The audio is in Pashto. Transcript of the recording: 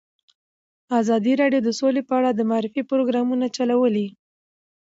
ازادي راډیو د سوله په اړه د معارفې پروګرامونه چلولي.